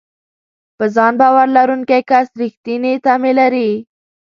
په ځان باور لرونکی کس رېښتینې تمې لري.